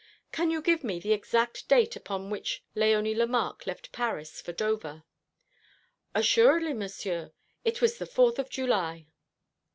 Can you give me the exact date upon which Léonie Lemarque left Paris for Dover?" "Assuredly, Monsieur. It was on the 4th of July."